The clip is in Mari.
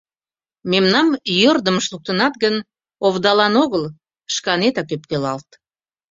Мемнам йӧрдымыш луктынат гын, овдалан огыл — шканетак ӧпкелалт.